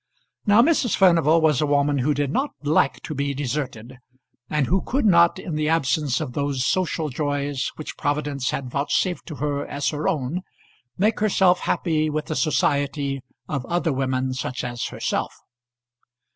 Now Mrs. Furnival was a woman who did not like to be deserted, and who could not, in the absence of those social joys which Providence had vouchsafed to her as her own, make herself happy with the society of other women such as herself.